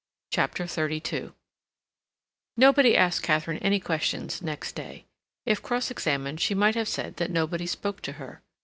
CHAPTER XXXII Nobody asked Katharine any questions next day. If cross examined she might have said that nobody spoke to her.